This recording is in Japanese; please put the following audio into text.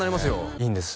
いいんです